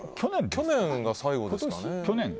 去年が最後ですかね。